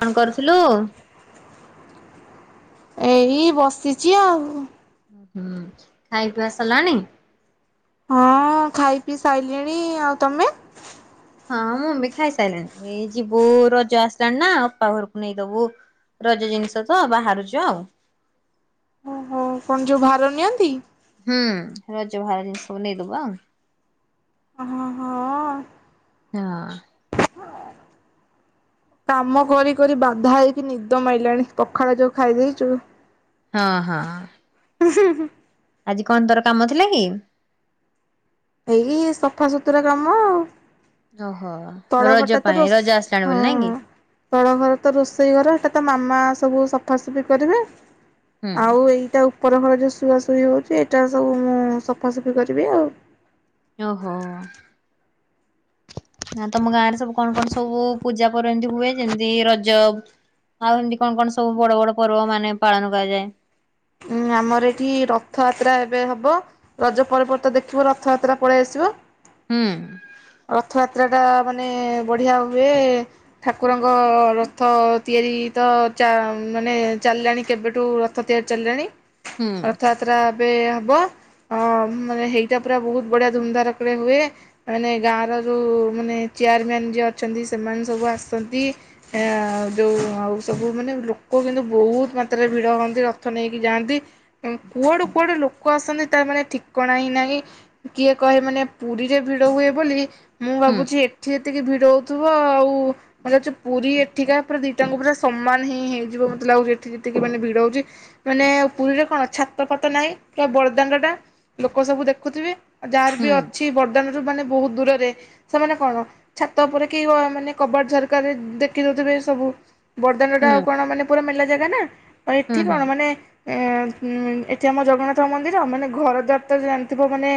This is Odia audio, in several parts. କଣ କରୁଥିଲୁ। ଏଇ ବସିଛି ଆଉ। ହୁଁ ଖାଇ ପିଆ ସାରିଲାଣି। ହଁ ଖାଇ ପିଇ ସାରିଲିଣି। ଆଉ ତମେ? ହଁ ମୁଁ ବି ଖାଇସାରିଲାଣି। ଏଇ ଯିବୁ ରଜ ଆସିଲାଣି ନା ଅପା ଘରକୁ ନେଇଦବୁ ରଜ ଜିନିଷ ତ ବାହାରୁଛ ଆଉ। ଓ କଣ ଯୋଉ ଭାର ନିଅନ୍ତି? ହୁଁ ରଜ ଭାର ଜିନିଷ ସବୁ ନେଇଦବୁ ଆଉ। ହଁ ହଁ। ହଁ। କାମ କରି କରି ବାଧା ହେଇକି ନିଦ ମ ଆଇଲାଣି। ପଖାଳା ଯୋଉ ଖାଇ ଦେଇେଇଛୁ ହଁ ହଁ। [unintelligible] ଆଜି କଣ ତୋର କାମ ଥିଲା କି? ଏଇ ସଫାସୁତୁରା କାମ ଆଉ। ଓହୋ ତଳ ରଜ ଘରଟା ତ ପାଇଁ ରୋଷ ରଜ ଆସିଲାଣି ହଁ ବୋଲି ନାଇଁ କି? ହଁ। ତଳ ଘର ତ ରୋଷେଇ ଘର ସେଟା ତ ମାମା ସବୁ ସଫାସଫି ହୁଁ କରିଦେବେ। ଆଉ ଏଇଟା ଉପର ଘର ଯଉ ଶୁଆ ଶୁଇ ହଉଚି, ଏଇଟା ସବୁ ମୁଁ ସଫାସଫି କରିବି ଆଉ ଅହୋ। ନା ତମ ଗାଁରେ ସବୁ କଣ କଣ ସବୁ ପୂଜା ପର ଏମତି ହୁଏ କି ଯେମିତି ରଜ ଆଉ ଏମିତି କଣ କଣ ସବୁ ବଡ ବଡ ପର୍ବ ମାନେ ପାଳନ କରାଯାଏ? ଉଁ, ଆମର ଏଠି ରଥଯାତ୍ରା ଏବେ ହବ। ରଜ ପରବ ତ ଦେଖିବ ରଥଯାତ୍ରା ପଳେଇ ଆସିବ। ହୁଁ। ରଥଯାତ୍ରାଟା ମାନେ ବଢିଆ ହୁଏ। ଠାକୁରଙ୍କ ରଥ ତିଆରି ତ ଚା ମାନେ ଚାଲିଲାଣି କେବେଠୁ ରଥ ତିଆରି ଚାଲିଲାଣି। ହୁଁ ଅଥଯାତ୍ରା। ଏବେ ହବ। ଅ ମାନେ ହେଇଟା ପୁରା ବହୁତ ବଢିଆ ଧୁମଧାରକଡେ ହୁଏ। ମାନେ ଗାଁର ଯଉଁ ମାନେ ଚେୟାରମ୍ୟାନ୍ ଯିଏ ଅଛନ୍ତି, ସେମାନେ ସବୁ ଆସନ୍ତି। ଆ ଯଉଁ ଆଉ ସବୁ ମାନେ ଲୋକ କିନ୍ତୁ ବହୁତ ମାତ୍ରାରେ ଭିଡ଼ ହୁଅନ୍ତି ରଥ ନେଇକି ଯାଆନ୍ତି। କୁଆଡ଼ୁ କୁଆଡ଼ୁ ଲୋକ ଆସନ୍ତି ତା ମାନେ ଠିକଣା ହିଁ ନାହିଁ। କିଏ କହେ ମାନେ ପୁରୀରେ ଭିଡ଼ ହୁଏ। ବୋଲି। ମୁଁ ହୁଁ ଭାବୁଚି ଏଠି ଏତିକି ଭିଡ ହଉ ଥିବ, ଆଉ ମତେ ଲାଗୁଚି ପୁରୀ ଏଠିକା ପୁରା ଦିଟାଙ୍କୁ ପୁରା ସମାନ ହିଁ ହେଇଯିବ ମତେ ଲାଗୁଛି ଏଠି ଯେତିକି ମାନେ ଭିଡ ହଉଚି। ମାନେ ପୁରୀରେ କଣ ଛାତ ଫାତ ନାହିଁ କି ବରଦାଣ୍ଡ ଟା ଲୋକ ସବୁ ଦେଖୁଥିବେ। ଯାହାର ବି ହୁଁ। ଅଛି ବର୍ଦାନ ରୁ ମାନେ ବହୁତ ଦୂରରେ। ସେମାନେ କଣ ଛାତ ଉପରେ କି ଓ ମାନେ କବାଟ ଝରକାରେ ଦେଖିଦଉଥିବେ ସବୁ। ବର୍ଦାନଣ୍ଡଟା ହୁଁ ଆଉ କଣ ମାନେ ପୁରା ମେଲା ଜାଗା ନା। ଆଉ ହୁଁ ଏଠି ହୁଁ କଣ ମାନେ ଏ ଉଁ ଏଠି ଆମ ଜଗନ୍ନାଥ ମନ୍ଦିର ମାନେ ଘର ଦ୍ୱାର ତ ଜାଣିଥିବ ମାନେ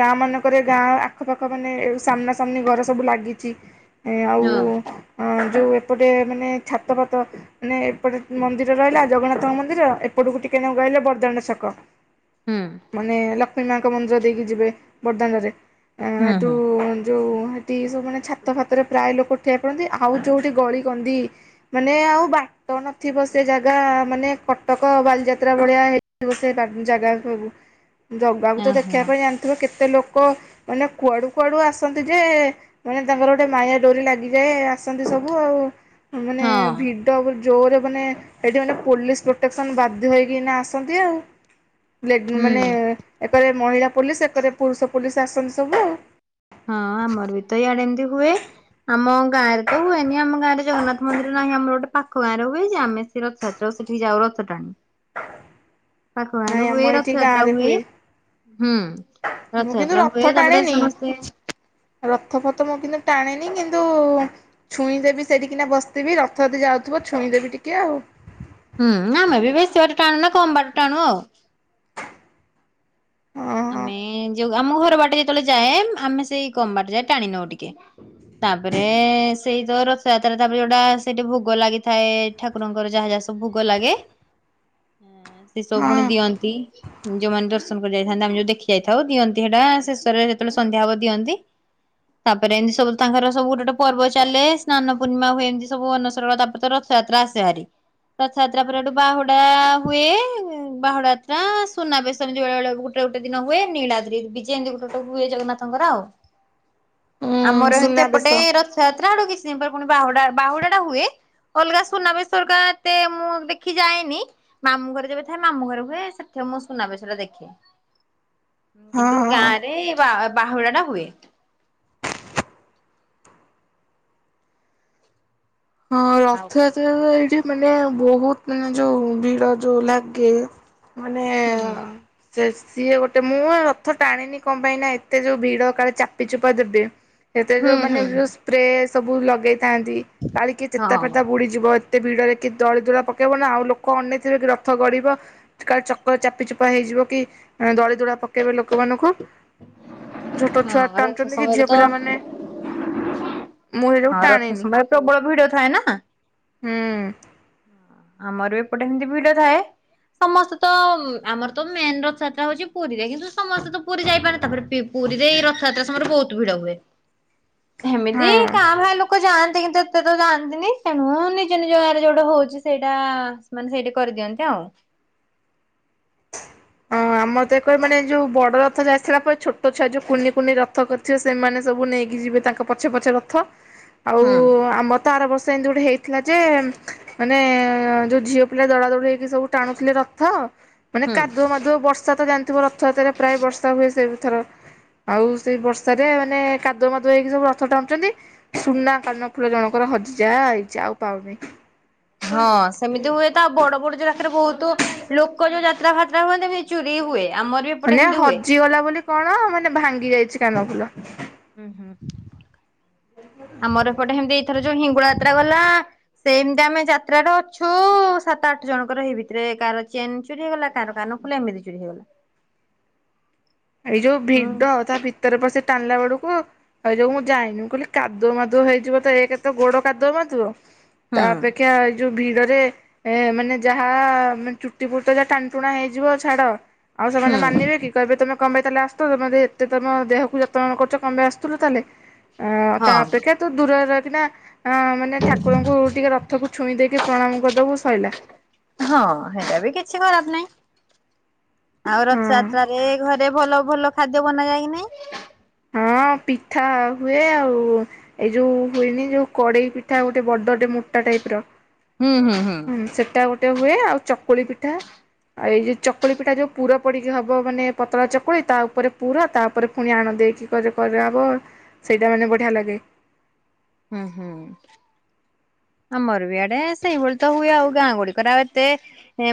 ଗାଁ ମାନଙ୍କରେ ଗାଁ ଆଖପାଖ ମାନେ ସାମ୍ନା ସାମ୍ନି ଘର ସବୁ ଲାଗିଚି। ଏ ଆଉ ହଁ ଅ ଯୋଉ ଏପଟେ ମାନେ ଛାତ ଫାତ ମାନେ ଏପଟେ ମନ୍ଦିର ରହିଲା ଜଗନ୍ନାଥଙ୍କ ମନ୍ଦିର, ଏପଟକୁ ଟିକେନକୁ ଗଲେ ବର୍ଦାଣ୍ଡ ଛକ। ହୁଁ ମାନେ ଲ କ୍ଷ୍ମି ମାଙ୍କ ମନ୍ଦିର ଦେଇକି ଯିବେ ବର୍ଦାନରେ। ଆ ହୁଁ ଏଠୁ ହୁଁ ଯୋଉ ଟି ସବୁ ମାନେ ଛାତ ଫାତରେ ପ୍ରାୟ ଲୋକ ଉଠେଇବା ପଡନ୍ତି। ଆଉ ଯୋଉଠି ଗଳି କନ୍ଦି ମାନେ ଆଉ ବାଟ ନଥିବ ସେ ଜାଗା ମାନେ କଟକ ବାଲିଯାତ୍ରା ଭଳିଆ ହେଇଥିବ ସେ ଜାଗା ସବୁ। ଜଗାକୁୁ ତ ଓହୋ ଦେଖିବା ପାଇଁ ଜାଣିଥିବ କେତ ସେ ଲୋକ ମାନେ କୁଆଡୁ କୁଆଡୁ ଆସନ୍ତି ଯେ ମାନେ ତାଙ୍କର ଗୋଟେ ମାୟା ଡୋରି ଲାଗିଯାଏ ଆସନ୍ତି ସବୁ ଆଉ। ମାନେ ହଁ ଭିଡ ବୁ ଯୋରେ ମାନେ ଏଠି ମାନେ ପୋଲିସ ପ୍ରୋଟେକ୍ସନ୍ ବାଧ୍ୟ ହେଇକିନା ଆସନ୍ତି ଆଉ। ଲେଡ୍ ହୁଁ ମାନେ ହଁ ଏକରେ ମହିଳା ପୋଲିସ ସେ ସେପଟେ ପୁରୁଷ ପୋଲିସ ଆସନ ନ୍ତୀ ସବୁ ଆଉ। ହଁ ଆମର ବି ତ ଇଆଡେ ଏମତି ହୁଏ। ଆମ ଗାଁରେ ତ ହୁଏନି ଆମ ଗାଁରେ ଜଗନ୍ନାଥ ମନ୍ଦିର ନାହିଁ ଆମର ଗୋଟେ ପାଖ ଗାଁରେ ହୁଏ ଯେ ଆମେ ସେ ରଥଯାତ୍ରା ସେଠିକି ଯାଉ ରଥ ଟାଣି ପାଖ ଗାଁରେ ନାଇଁ ଆମ ହୁଏ ଏଇଠି ରଥଯାତ୍ରା ଗାଁରେ ହୁଏ ହୁଁ ମୁଁ କିନ୍ତୁ ରଥଯାତ୍ରା ରଥ ହୁଏ ତାପରେ ଟାଣେନି। ସମସ୍ତେ ରଥ ଫଥ ମୁଁ କିନ୍ତୁ ଟାଣେନି କିନ୍ତୁ ଛୁଇଁଦେବି ସେଠିକିନା ବସିଥିବି ରଥ ଯଦି ଯାଉଥିବ ଛୁଇଁଦେବି ଟିକେ ଆଉ। ହୁଁ ଆମେ ବି ବେଶୀ ଜୋରେ ଟାନୁ ନା କମ୍ ବାଟ ଟାଣୁ ଆଉ। ହଁ ହଁ ଆମେ ଯୋଉ ଆମ ଘର ବାଟେ ଯେତେବେଳେ ଯାଏ ଆମେ ସେଇ କମ୍ ବାଟ ଯାଏ ଟାଣ ନଉ ଟିକେ। ତାପରେ ସେଇ ଡୋର ସେଇଆ ତାର ତାପରେ ଯୋଉଟା ସେଇଠି ଭୋଗ ଲାଗିଥାଏ ଠାକୁରଙ୍କର ଯାହା ଯାହା ସବୁ ଭୋଗ ଲାଗେ ହଁ ସେ ସବୁ ହଁ ପୁଣି ଦିଅନ୍ତି। ଯୋଉମାନେ ଦର୍ଶନ କରିଯା ଯାଆନ୍ତି ଆମେ ଯୋଉ ଦେଖି ଯାଇଥାଉ ଦିଅନ୍ତି ସେଟା ଶେଷରେ ଯେତେବେଳେ ସନ୍ଧ୍ୟା ହବ ଦିଅନ୍ତି ତାପରେ ଏମିତି ସବୁ ତାଙ୍କର ସବୁ ଗୋଟେ ଗୋଟେ ପର୍ବ ଚାଲେ ସ୍ନାନ ପୂର୍ଣ୍ଣିମା ହୁଏ ଏମତି ସବୁ ଅନସର ତାପରେ ତ ରଥଯାତ୍ରା ଆସେ ଭାରି ରଥଯାତ୍ରା ପରେ ସେଠୁ ବାହୁଡା ହୁଏ ବାହୁଡ ଯାତ୍ରା ସୁନାବେଶ ଏମିତି ବେଳେବେଳେ ଗୋ ଗୋଟ ଗୋଟେ ଦିନ ହୁଏ ନୀଳାଦ୍ରି ବିଜେ ଏମିତି ଗୋଟେ ଗୋଟେ ହୁଏ ଜଗନ୍ନାଥଙ୍କର ଆଉ। ଉଁ ଆମର ଏତେ ସୁନାବେଶ ଏପଟେ ରଥଯାତ୍ରା ଆଡୁ କିଛି କିଛି ଦିନପରେ ପୁଣି ବାହୁଡା ବାହୁଡା ଟା ହୁଏ ଅଲଗା ସୁନାବେଶହେରିକା ଏତେ ମୁଁ ଦେଖି ଯାଏନି ମାମୁଁ ଘରେ ଯେବେ ଥାଏ ମାମୁଁ ଘରେ ହୁଏ ସେଠି ମୁଁ ସୁନାବେଶ ଟା ଦେଖେ। ହଁ କିନ୍ତୁ ହଁ। ଗାଁରେ ବା ବାହୁଡ଼ା ଟା ହୁଏ। ହଁ ଆଉ ରଥଯାତ୍ରା ହୁଏ ଏଇଠି। ମାନେ ବହୁତ ମାନେ ଯୋଉ ଭିଡ ଯୋଉ ଲାଗେ ମାନେ ହୁଁ। ସେ ସିଏ ଗୋଟେ ମୁଁ ରଥ ଟାଣିନି କଣ ପାଇଁ ନା ଏତେ ଯୋଉ ଭିଡ କାଳେ ଚାପି ଚୁପା ଦେବେ। ସେତେରେ ହୁଁ ଯୋଉ ହୁଁ ମାନେ ଯୋଉ ସ୍ପ୍ରେ ସବୁ ଲଗେଇଥାନ୍ତି। କାଳେ କିଏ ଚେତା ହଁ ଫେତା ବୁଡ଼ିଯିବ। ଏତେ ଭିଡରେ କି ଦଳି ଦୁଳା ପକେଇବ ନା ଆଉ ଲୋକ ଅନେଇଥିବେ କି ରଥ ଗଡିବ କା ଚକ ଚାପି ଚୁପା ହେଇଯିବ କି ଦଳି ଦୁଳା ପକେଇବେ ଲୋକମାନଙ୍କୁ। ଛୋଟ ଛୁଆ ହଁ ରଥ ଟାଣୁଛନ୍ତି କି ସମୟରେ ଝିଅ ତ ପିଲାମାନେ ମୁଁ ହେଟାକୁ ହଁ ରଥ ଟାଣେନି। ସମୟରେ ପ୍ରବଳ ଭିଡ ଥାଏ ନା ହୁଁ ଆମର ବି ଏପଟେ ସେମତି ଭିଡ ଥାଏ ସମସ୍ତେ ତ ଆମର ତ ମେନ ରଥଯାତ୍ରା ହଉଛି ପୁରୀରେ କିନ୍ତୁ ସମସ୍ତେ ତ ପୁରୀ ଯାଇପାରନେ ତାପରେ ପୁରୀରେ ଏଇ ରଥଯାତ୍ରା ସମୟରେ ବହୁତ ଭିଡ ହୁଏ। ଏମିତି ହଁ। କାଁ ଭା ଲୋକ ଯାଆନ୍ତି କିନ୍ତୁ ସେତେ ତ ଯାଆନ୍ତିନି ତେଣୁ ନିଜ ନିଜ ଗାଁରେ ଯୋଉଟା ହଉଛି ସେଇଟା ମାନେ ସେଇଠି କରିଦିଅନ୍ତି ଆଉ। ହଁ ଆମର ତ କ ମାନେ ଯୋଉ ବଡ ରଥ ଯାଇଥିଲା ପରେ ଛୋଟ ଛୁଆ ଯୋଉ କୁନି କୁନି ରଥ କରିଥିବେ ସେମାନେ ସବୁ ନେଇକି ଯିବେ ତାଙ୍କ ପଛେ ପଛେ ରଥ। ଆଉ ହୁଁ ଆମ ତ ଆର ବର୍ଷ ସେମିତି ଗୋଟେ ହେଇଥିଲା ଯେ ମାନେ ଯୋଉ ଝିଅ ପିଲା ଦଡା ଦଡି ହେଇକି ସବୁ ଟାଣୁଥିଲେ ରଥ। ମାନ ହୁଁ। କାୁଦୁଅ ମାଦୁଅ ବର୍ଷା ତା ତୁମ ରଥଯାତ୍ରାରେ ପ୍ରାୟ ବର୍ଷା ହୁଏ ସେ ଥର ଆଉ ସେଇ ବର୍ଷାରେ ମାନେ କାଦୁଅ ମାଦୁଅ ହେଇକି ସବୁ ରଥ ଟାଣୁଛନ୍ତି ସୁନା କାନଫୁଲ ଜଣଙ୍କର ହଜିଯାଇଛି ଆଉ ପାଉନି। ହଁ ସେମିତି ହୁଏ ତ ଆଉ ବଡ ବଡ ଜାଗାକାରେ ବହୁତ ତ ଲୋକଙ୍କ ଯୋଉ ଯାତ୍ରା ଫାତ୍ରା ହୁଏ ନା ଚୁରି ହୁଏ। ଆମର ବି ଏପଟେ ମାନେ ସେମିତି ହୁଏ। ହଜିଗଲା ବୋଲି କଣ ମାନେ ଭାଙ୍ଗି ଯାଇଛି। କାନ ଫୁଲ। ହୁଁ ହୁଁ। ଆ ମୋର ଏ ପଟେ ହେମିତି ଥର ଯୋଉ ହିଙ୍ଗୁଳା ଯାତ୍ରା ଗଲା ସେମିତି ଆମେ ଯାତ୍ରାଠି ଅଛୁ ସାତ ଆଠ ଜଣଙ୍କର ଏଇ ଭିତରେ କାହାର ଚେନ ଚୋରି ହେଇଗଲା କାହାର କାନ ଫୁଲ ଏମିତି ଚୋରି ହେଇଗଲା। ଏଇ ଯୋଉ ହୁଁ ଭିଡ ତା ଭିତରେ ପ ସେ ଟାଣିଲା ବେଳକୁ ଏଉ ଯ ମୁଁ ଯାଏନି ମୁଁ କହିଲି କାଦୁଅ ମାଦୁଅ ହେଇଯିବ ତ ଏକେରେ ଗୋଡ କାଦୁଆ ମାଦୁଅ ହୁଁ ତା ଅପେକ୍ଷା ଏ ଯୋଉ ଭିଡରେ ଏ ମାନେ ଯାହା ମ ଚୁଟି ପୁଟ ଯାହା ଟାଣିଟୁଣା ହେଇଯିବ ଛାଡ। ଆଉ ସେମାନେ ହୁଁ। ମାନିବେ କି କହିବେ ତମେ କଁପାଇଁ ତାହେଲେ ଆୁସୁଥିଲ ତମେ ଏତେ ତମ ଦେହକୁ ଯତ୍ନ କରୁଛ କମ୍ପେଇ ଆସୁଥିଲ ତାହେଲେ। ଅ ହଁ ତା ଅପେକ୍ଷା ତ ଦୂର କି ନା ହଁ ମାନେ ଠାକୁରଙ୍କୁ ଟିକେ ରଥକୁ ଛୁଇଁ ଦେଇକି ପ୍ରଣାମ କରିଦବୁ ସଇଲାା। ହଁ ସେଇଟା ବି କିଛି ଖରାପ ନାହିଁ। ଆଉ ହଁ। ରଥଯାତ୍ରାରେ ଘରେ ଭଲ ଭଲ ଖାଦ୍ୟ ବନା ଯା କି ନାଇଁ? ହଁ ପିଠା ହୁଏ ଆଉ ଏଇ ଯୋଉ ହୁଏନି ଯୋଉ କଡେଇ ପିଠା ଗୋଟେ ବଡ ଗୋଟେ ମୋଟା ଟାଇପର। ହୁଁ ସେଟା ଗୋଟେ ହୁଏ ଆଉ ଚକୁଳି ପିଠା ପିଠା ଆଉ ଏଇ ଯୋଉ ଚକୁଳି ପିଠା ଯୋଉ ପୁର ପଡିକି ହବ ମାନେ ପତଳା ଚକୁଳି ତା ଉପରେ ପୁର ତା ଉପରେ ପୁଣି ଆଣ ଦେଇକି କରାହବ ସେଇଟା ମାନେ ବଢ଼ିଆ ଲାଗେ। ହମ୍ଁ ହୁଁ ଆମର ବି ଆଡେ ସେଇଭଳି ତ ହୁଏ ଆଉ ଗାଁ ଗୁଡିକରେ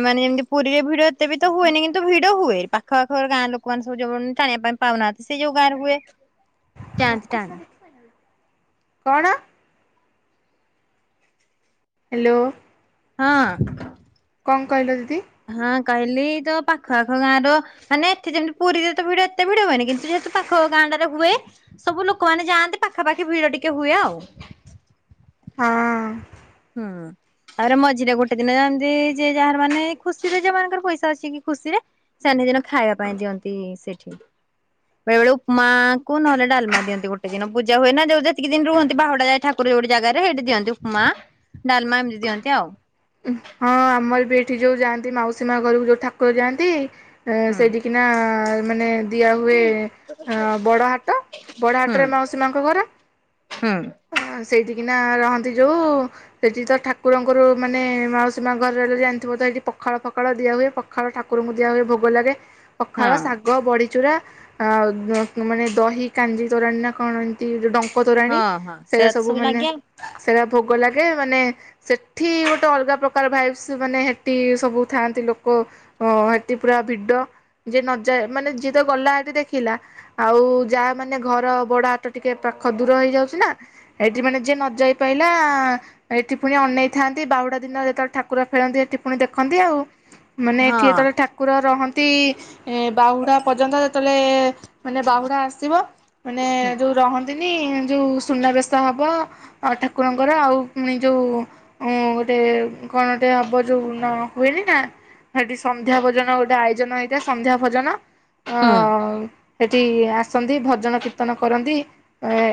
ମାନେ ଯେମିତି ପୁରୀରେ ଭିଡ ଏତେ ବି ତ ହୁଏନି କିନ୍ତୁ ଭିଡ ହୁଏ ପାଖ ଘର ଗାଁ ଲୋକାମାନେ ସବୁ ଯୋଉମାନେ ଟାଣିବା ପାଇଁ ପାଉନାହାନ୍ତି ସେ ଯଉ ଗାଁରେ ହୁଏ। ଯାଆନ୍ତି ରଖୁଛିୁ ଟାଣି ନା ଦେଖିବୁ ଏଇନା। କଣ? ହ୍ୟାଲୋ। ହଁ। କଣ କହିଲ ଦିଦି? ହଁ କହିଲି ତ ପାଖ ଆଖ ଗାଁ ର ମାନେ ଏଠେ ଯେମିତି ପୁରୀରେ ତ ଭିଡ ଏତେ ଭିଡ ହୁଏନି କିନ୍ତୁ ଯେହେତୁ ପାଖ ଗାଁ ଟାରେ ହୁଏ ସବୁ ଲୋକମାନନେ ଯାଆନ୍ତି ପାଖାପାଖି ଭିଡ ଟିକେ ହୁଏ ଆଉ। ହଁ ହୁଁ ତାପରେ ମଝିରେ ଗୋଟେ ଦିନ ଯାନ୍ତି ଯେ ଯାହାର ମାନେ ଖୁସିରେ ଯଉ ମାନଙ୍କର ପଇସା ଅଛି କି ଖୁସି ରେ ସେମାନେ ସେଇଦିନ ଖାଇବା ପାଇଁ ଦିଅନ୍ତି ସେଠି ବେଳେ ବେଳେ ଉପମା କ ନହେଲେ ଡାଲମା ଦିଅନ୍ତି ଗୋଟେ ଦିନ ପୂଜା ହୁଏ ନା ଯୋଉ ଯେତିକି ଦିନ ରୁହନ୍ତି ବାହାଡା ଯାଏ ଠାକୁର ଯୋଉଠି ଜାଗାରେ ସେଇଠି ଦିଅନ୍ତି ଉପମା ଡାଲମା ଏମିତି ଦିଅନ୍ତି ଆଉ। ହଁ ଆମର ବି ଏଠି ଯୋଉ ଯାଆନ୍ତି ମାଉସୀ ମା ଘରକୁ ଯୋଉ ଠାକୁର ଯାଆନ୍ତି ଏ ହୁଁ ସେଇଠିକିନା ମାନେ ଦିଆ ହୁଏ ବଡ ହାଟ ବଡ ହୁଁ ହାଟରେ ମାଉସୀ ମାଙ୍କ ଘର ହୁଁ ସେଇଠିକିନା ରହନ୍ତି ଯେଉଁ ସେଠି ତ ଠାକୁରଙ୍କର ମାନେ ସୀମା ଘରେ ର ଜଣିଥିବ ତଇଠି ପଖାଳ ପଖା ଦିଆ ହୁଏ ପଖାଳ ଠାକୁରଙ୍କୁ ଦିଆ ହୁଏ ଭୋଗ ଲାଗେ ପଖାଳ ହଁ ଶାଗ ବଡିଚୁରା ଆ ମାନେ ଦହି କାଞ୍ଜିି ତୋରା କଣ ଏନ୍ତି ଡ କତରାଣୀ ହଁ ହଁ ସେଇଟା ସେରା ତ ସବୁ ମାନେ ଲାଗେ ସେଇଟା ଭୋଗ ଲାଗେ ମାନେ ସେଠି ଗୋଟେ ଅଲଗା ପ୍ରକାର ଭାଇବ୍ସ ମାନେ ହେଠି ସବୁ ଥାଆନ୍ତି ଲୋକ ହେଠି ପୁରା ଭିଡ ଯିଏ ନଯାଏ ମାନେ ଯିଏ ତ ଗଲା ସେଠି ଦେଖିଲା ଆଉ ଯାହା ମାନେ ଘର ବଡ ହାଟ ଟିକେ ପାଖ ଦୂର ହେଇଯାଉଛି ନା ସେଠି ମାନେ ଯିଏ ନ ଯାଇ ପଲା ଏଠି ପୁଣି ଅନେଇଥାନ୍ତି ବାହୁଡା ଦିନରେ ତତବେଳେ ଠାକୁରେଳନ୍ତି ଟିିପୁଣି ଦେଖନ୍ତି ଆଉ। ମାନେ ଏଠି ଆଉ ଯେତେବେଳେ ଠାକୁର ରହନ୍ତି ତି ଏ ବାହୁଡା ପର୍ଯ୍ୟନ୍ତ ଯେତେବେଳେ ପଲେ ମାନେ ବାହୁଡା ଆସିବ ମାନେ ହଁ ଯୋଉ ରହନ୍ତି [inaudible] ଯେଉଁ ସୁନାବେଶ ହେବ ଆ ଠାକୁରଙ୍କର ଆଉ ପୁଣି ଯୋଉ ଗୋଟେ କଣ ଟେ ହବ ଯୋଉ ହୁଏନି ନା ସେଠି ସନ୍ଧ୍ୟା ଭୋନ ଗୋଟେ ଆଇ ଭୋଜନ ହେଇଟା ସନ୍ଧ୍ୟା ଭୋଜନ ହ ହୁଁ ସେଠି ଆ ଆସନ୍ତି ଭଜନ କୀର୍ତ୍ତନ କରନ୍ତି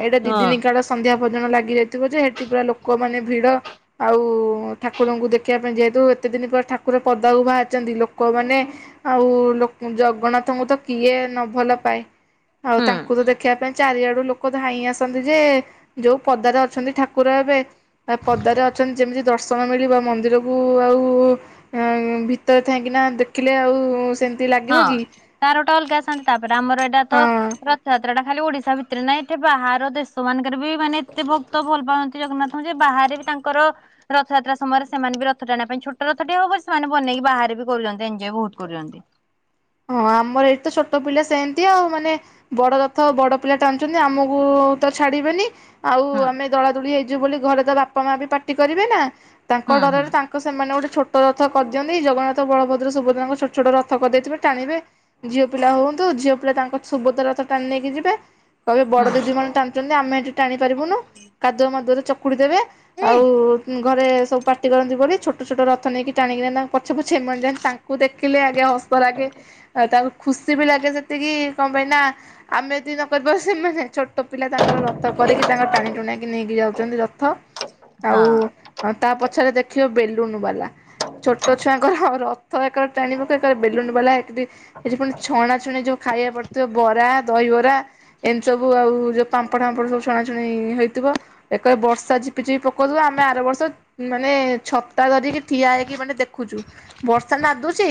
ଏଇଟା ଦି ହଁ ଦିନି କାଳ ସନ୍ଧ୍ୟା ଭୋଜନ ଲାଗି ଯାଇଥିବ ଯେ ସେଠି ପୁରା ଲୋକମାନୋନେ ଭିଡ ଆଉ ଠାକୁରଙ୍କୁ ଦେଖିବା ପାଇଁ ଯେହେତୁ ଏତେ ଦିନ ପରେ ଠାକୁର ପଦା ଉ ବାଛନ୍ତି ଲୋକମାନୋନେ ଆଉ ଜଗନ୍ନାଥଙ୍କୁ ତ କିଏ ନ ଭଲ ପାଏ। ଆଉ ହଁ ହୁଁ। ତାଙ୍କୁ ତ ଦେଖିବା ପାଇଁ ଚାରିଆଡୁ ଲୋକ ଧାଇଁ ଆସନ୍ତି ଯେ ଯୋଉ ପଦାରେ ଅଛନ୍ତି ଠାକୁର ଏବେ ପଦାରେ ଅଛନ୍ତି ଯେମିତି ଦର୍ଶନ ମିଳିବ ମନ୍ଦିରକୁ ଆଉ ଭିତରେ ଥାାଇକିନା ଦେଖିଲେ ଆଉ ସେ ହଁ ତାରୋଟା ଅଲଗା ଆସନ୍ତି ତାପରେ ଆମର ଏଇଟା ତ ହଁ ରଥଯାତ୍ରା ଟା ଖାଲି ଓଡିଶା ଭିତରେ ନାହିଁ। ଏଠି ବାହାର ଦେଶ ମାନଙ୍କରେ ବି ମାନେ ଏତେ ଭକ୍ତ ଭଲ ପାଆନ୍ତି ଜଗନ୍ନାଥଙ୍କୁ ଯେ ବାହାରେ ବି ତାଙ୍କର ରଥଯାତ୍ରା ସମୟରେ ସେମାନେ ବି ରଥ ଟା ଆଣିବା ପାଇଁ ଛୋଟ ରଥ ଟେ ହବ ସେମାନେ ବନେଇକି ବାହାରେ ବି କରୁଛନ୍ତି ଏଞ୍ଜୟ ବହୁତ କରୁଛନ୍ତି। ହଁ ଆମର ଏଇଠି ତ ଛୋଟ ପିଲା ସେମିତି ଆଉ ମାନେ ବଡ ରଥ ବଡ ପିଲା ଟାଣୁଛନ୍ତି ଆମକୁ ତ ଛାଡିବେନି। ଆଉ ହୁଁ ଆମେ ଦଳାଦୋଳି ହେଇଯୁବୁ ବୋଲି ଘରେ ତ ବା ବାପା ମା ବି ପାଟି କରିବେ ନା। ତାଙ୍କ ହୁଁ ହୁଁ ଡରରେ ତାଙ୍କ ସେମାନେ ଗୋଟେ ଛୋଟ ରଥ କରିଦିଅନ୍ତି ଜଗନାଥ ବଳଦ୍ର ସୁଭଦ୍ରଙ୍କ ଛୋଟ ଛୋଟ ରଥ କରିଦେଇଥିବେ। ଟାଣିବେ ଝିଅ ପିଲା ହୁଅନ୍ତୁ ଝିଅ ପିଲା ତାଙ୍କ ସୁଭଦ୍ରା ରଥ ଟାଣି ନେଇକି ଯିବେ। କହିବେ ବଡ ଦିଦି ହୁଁ ମାନେ ଟାଣୁଚନ୍ତି ଆମେ ଏଠି ଟାଣି ପାରିବୁନୁ କାଦୁଆ ମାଦୁଅରେ ଚକୁଡି ଦେବେ ଆଉ ଘରେ ସବୁ ପାଟି କରନ୍ତି ବୋଲି ଛୋଟ ଛୋଟ ଛୋଟ ରଥ ନେଇକି ଟାଣିକି ନା ପଛେ ପଛେ ଏମାନେ ଯାଆନ୍ତି ତାଙ୍କୁ ଦେଖିଲେ ଆଜ୍ଞା ହସ ଲାଗେ। ଆଉ ତାଙ୍କୁ ଖୁସି ବି ଲାଗେ ସେତିକି କଣ ପାଇଁ ନା ଆମେ ଏତିକି ନ କରିବା ସେମାନେ ଛୋଟ ପିଲା ତାଙ୍କ ରଥ କରିକି ତାଙ୍କର ଟାଣି ଟୁଣାକି ନେଇକି ଯାଉଛନ୍ତି ରଥ ଆଉ ହଁ ତା ପଛରେ ଦେଖିବ ବେ ରୁଣୁ ବାଲା। ଛୋଟ ଛୁଆଙ୍କର ଆଉ ର ଥ ଏକର ଟାଣିବ ଏକର ବେଲୁନ ବାଲା [unintelligible] ପୁଣି ଛଣା ଛୁଣି ଯୋଉ। ଖାଇବା ପଡିଥିବ ବରା ଦହିବରା ଏମିତି ସବୁ ଆଉ ଯୋଉ ପାମ୍ପଡ ଫାମ୍ପଡ ସବୁ ଛୁଣାଛୁଣି ହେଇଥିବ ଏକରେ ବର୍ଷା ଝିପି ଝିପି ପକଉଥିବ ଆମେ ଆର ବର୍ଷ ମାନେ ଛତା ଧରିକି ଠିଆ ହେଇକି ମାନେ ଦେଖୁଛୁ ବର୍ଷା ନାଧୁଛି।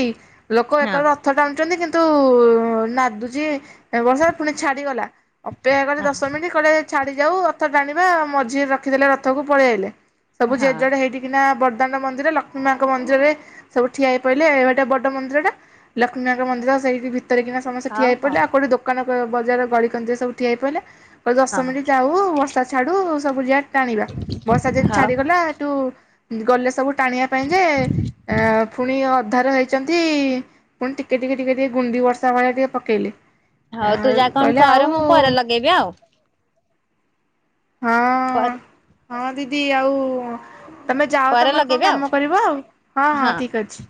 ଲୋକ ଏକ ହଁ ରେ ର କିନ୍ତୁ ନାଦୁଛି ବର୍ଷା ପୁଣି ଛାଡିଗଲା। ଅପେକ୍ଷା କଲି ଦଶମିନିଟ୍ କଲେ ଛାଡି ଯାଉ ରଥ ଟାଣିବା ମଝିରେ ରଖିଦେଲେ ରଥକୁ ପଳେଇଆଇଲେ। ସବୁ ହଁ ଜେ ଜୁଆଡ ହେଇଠିକିନା ବ ଦାଣ୍ଡ ମନ୍ଦିର ଲକ୍ଷ୍ମୀ ମାଆଙ୍କ ମିରରେ ସବୁ ଠିଆ ହେଇ ପଇଲେ ଏବାଟେ ବଡ ମନ୍ଦିରଟା। ଲକ୍ଷ୍ମୀମାଙ୍କ ମନ୍ଦିର ସେଇଠି ଭିତରେକିନା ସମସ୍ତେ ହଉ ଠିଆହେଇ ପଡ଼ିଲେ ହଉ ଆଉ କଉଠି ଦୋକାନ ବଜାର ଗଳିକଞ୍ଜିରେ ସବୁ ଠିଆ ହେଇ ପଇଲେ। କ ଦଶ ହଁ ମିନିଟ୍ ଯାଉ ବର୍ଷା ଛାଡୁ। ସବୁଜା ଟାଣିବା ବର୍ଷା ଯେନି ହଉ ଛାଡିଗଲା ଏଠୁ ଗଲେ ସବୁ ଟାଣିବା ପାଇଁ ଯେ ଫୁଣି ଅ ଧା ରହିଚନ୍ତି ପୁଣି ଟିକେ ଟିକେ ଟିକେ ଟିକେ ଗୁଣ୍ଡି ବର୍ଷା ଭଳିଆ ଟିକେ ପକେଇଲେ। ହଉ ତୁ ଆଉ ଯାଆ କଣ କହିଲେ କର ମୁଁ ଆଉ ପରେ ଲଗେଇବି ଆଉ। ହଁ, ପରେ ହଁ ଦି ଯଦି ଆଉ ତମେ ଯାଅ ପରେ ତମର କଣ ଲଗେଇବି ଆଉ କାମ କରିବ, ଆଉ ହଁ, ହଁ ଠିକ ଅଛି।